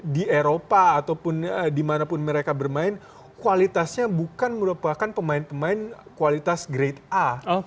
di eropa ataupun dimanapun mereka bermain kualitasnya bukan merupakan pemain pemain kualitas grade a